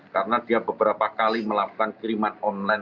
karena dia beberapa kali melakukan kiriman online